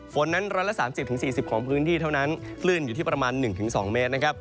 ฝนนั้น๑๓๐๔๐ของพื้นที่เท่านั้นคลื่นอยู่ที่ประมาณ๑๒เมตรนะครับ